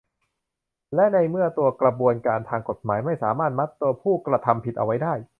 และในเมื่อกระบวนการทางกฎหมายไม่สามารถมัดตัวผู้กระทำผิดเอาไว้ได้